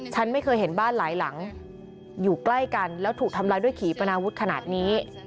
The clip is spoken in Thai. ฉันไม่เคยเห็นบ้านหลายหลังอยู่ใกล้กันแล้วถูกทำร้ายด้วยขี่ปนาวุธขนาดนี้